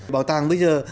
bảo tàng bây giờ